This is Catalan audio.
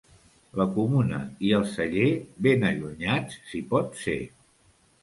La comuna i el celler, ben allunyats si pot ser.